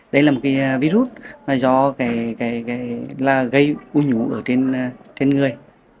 đây là một virus gây u nhũ ở trên người